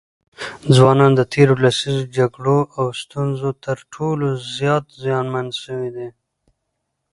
ځوانان د تېرو لسیزو جګړو او ستونزو تر ټولو زیات زیانمن سوي دي.